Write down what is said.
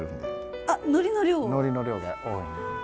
のりの量。